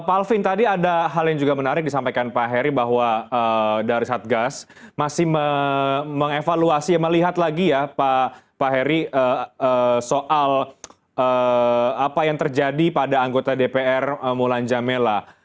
pak alvin tadi ada hal yang juga menarik disampaikan pak heri bahwa dari satgas masih mengevaluasi melihat lagi ya pak heri soal apa yang terjadi pada anggota dpr mulan jamela